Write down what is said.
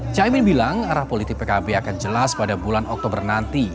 caimin bilang arah politik pkb akan jelas pada bulan oktober nanti